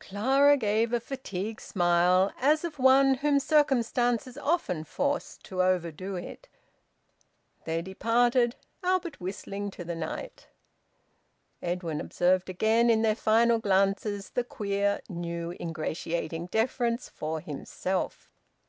Clara gave a fatigued smile, as of one whom circumstances often forced to overdo it. They departed, Albert whistling to the night. Edwin observed again, in their final glances, the queer, new, ingratiating deference for himself.